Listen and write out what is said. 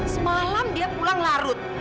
semalam dia pulang larut